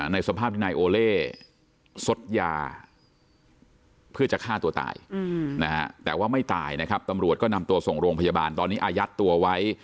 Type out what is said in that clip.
ในสภาพที่นายโอเล่ซดยาเพื่อจะฆ่าตัวตายนะฮะแต่ว่าไม่ตายนะครับตำรวจก็นำตัวส่งโรงพยาบาลตอนนี้อายัดตัวไว้